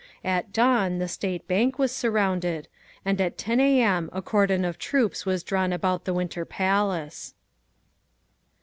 At dawn the State Bank was surrounded. And at 10 A. M. a cordon of troops was drawn about the Winter Palace.